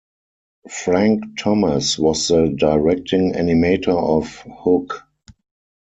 Frank Thomas was the directing animator of Hook.